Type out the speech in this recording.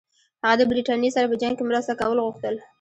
هغه د برټانیې سره په جنګ کې مرسته کول غوښتل.